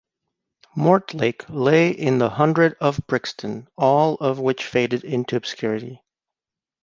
Mortlake lay in the hundred of Brixton, all of which faded into obscurity.